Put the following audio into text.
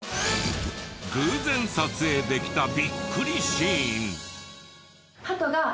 偶然撮影できたビックリシーン！